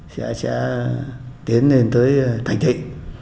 sẽ tiến lên tới thành thị